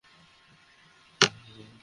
তোমাকে কী কী দিয়েছে?